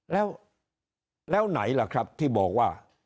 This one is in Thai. แล้วไหนล่ะครับที่บอกว่า